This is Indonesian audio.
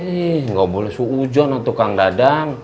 ih nggak boleh seujan tukang dadang